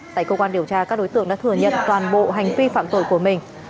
tại cơ quan điều tra các đối tượng đã thừa nhận toàn bộ hành vi phạm tội của mình